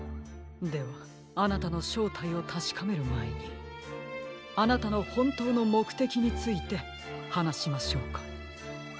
ではあなたのしょうたいをたしかめるまえにあなたのほんとうのもくてきについてはなしましょうか？